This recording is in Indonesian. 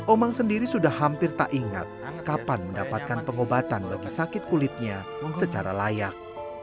omang sendiri sudah hampir tak ingat kapan mendapatkan pengobatan bagi sakit kulitnya secara layak